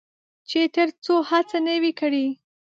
چې تر څو هڅه نه وي کړې.